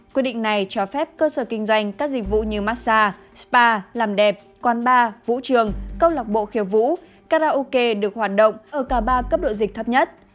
quy định này cho phép cơ sở kinh doanh các dịch vụ như master spa làm đẹp quán bar vũ trường công lọc bộ khiều vũ karaoke được hoạt động ở cả ba cấp độ dịch thấp nhất